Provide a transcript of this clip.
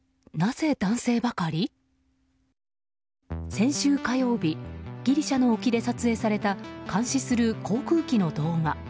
先週火曜日ギリシャの沖で撮影された監視する航空機の動画。